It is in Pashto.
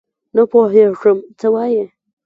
نه پوهېږم څه وایې ؟؟